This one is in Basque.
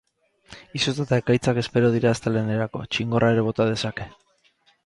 Izotza eta ekaitzak espero dira astelehenerako, txingorra ere bota dezake.